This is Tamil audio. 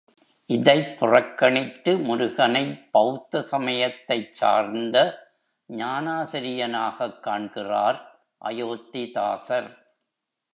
இதைப் புறக்கணித்து முருகனைப் பெளத்த சமயத்தைச் சார்ந்த ஞானாசிரியனாகக் காண்கிறார் அயோத்திதாசர்.